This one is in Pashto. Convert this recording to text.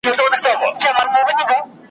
د کمزوري هم مرګ حق دی او هم پړ سي `